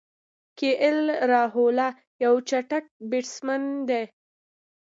کی ایل راهوله یو چټک بیټسمېن دئ.